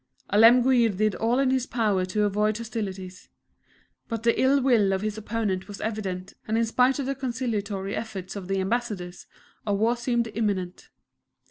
Alemguir did all in his power to avoid hostilities, but the ill will of his opponent was evident, and in spite of the conciliatory efforts of the ambassadors, a war seemed imminent.